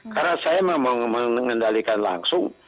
karena saya memang mengendalikan langsung